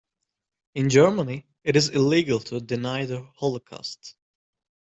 In Germany it is illegal to deny the holocaust.